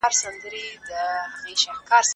زه به د ژبي تمرين کړی وي،